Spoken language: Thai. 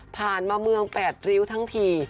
ผ่านมาเมือง๘ริ้วทั้งที